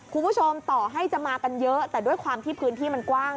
ต่อให้จะมากันเยอะแต่ด้วยความที่พื้นที่มันกว้าง